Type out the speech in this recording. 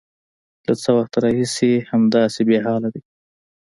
_له څه وخته راهيسې همداسې بېحاله دی؟